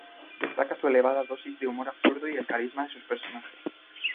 Destaca su elevada dosis de humor absurdo y el carisma de sus personajes.